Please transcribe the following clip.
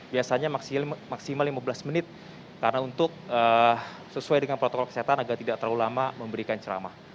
biasanya maksimal lima belas menit karena untuk sesuai dengan protokol kesehatan agar tidak terlalu lama memberikan ceramah